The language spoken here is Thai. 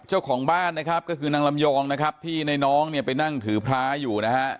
เจ้าของบ้านนะครับก็คือนางลำยองนะครับที่ในน้องเนี่ยไปนั่งถือพระอยู่นะฮะ